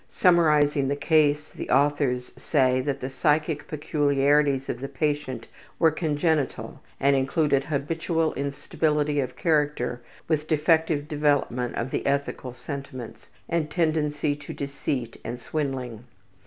Summarizing the case, the authors say that the psychic peculiarities of the patient were congenital, and included habitual instability of character with defective development of the ethical sentiments, and tendency to deceit and swindling.